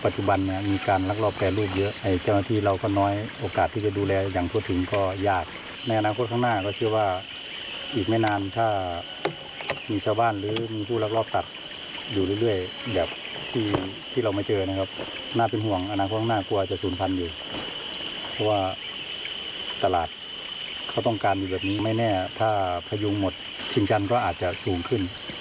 ชินชันก็อาจจะสูงขึ้น